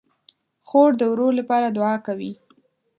خور د ورور لپاره دعا کوي.